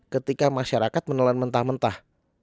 ketika masyarakat menelan mentah mentah